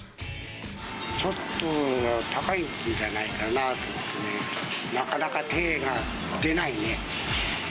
ちょっと高いんじゃないかなと思ってね、なかなか手が出ないね。